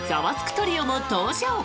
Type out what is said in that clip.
トリオも登場。